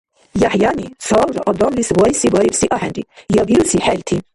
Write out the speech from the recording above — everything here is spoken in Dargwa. ЯхӀъяни цалра адамлис вайси барибси ахӀенри, я бируси хӀелти.